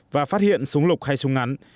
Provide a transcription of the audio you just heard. và phát hiện súng lục hay súng ngắn